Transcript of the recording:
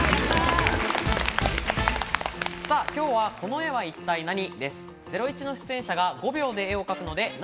今日は「この絵は一体ナニ！？」